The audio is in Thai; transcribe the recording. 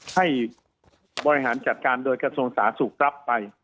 ให้บริหารจัดการโดยกระทรวงสาธารณสุขรับไป